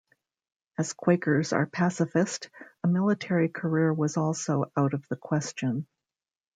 As Quakers are pacifist, a military career was also out of the question.